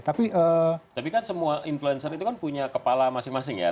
tapi kan semua influencer itu kan punya kepala masing masing ya